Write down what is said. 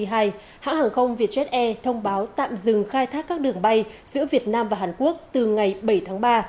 hãng hàng không vietjet air thông báo tạm dừng khai thác các đường bay giữa việt nam và hàn quốc từ ngày bảy tháng ba